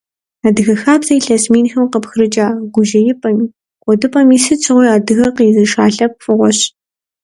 Адыгэ хабзэр илъэс минхэм къыпхрыкӏа, гужьеипӏэми, кӏуэдыпӏэми сыт щыгъуи адыгэр къизыша лъэпкъ фӏыгъуэщ.